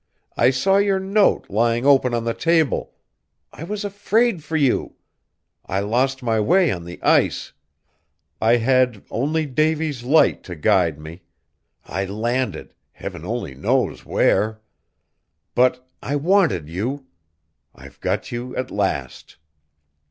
I saw your note lying open on the table; I was afraid for you! I lost my way on the ice. I had only Davy's Light to guide me; I landed, heaven only knows where! But I wanted you! I've got you at last!"